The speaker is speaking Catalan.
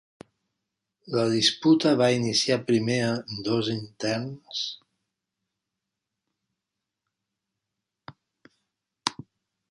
La disputa va iniciar primer amb dos interns?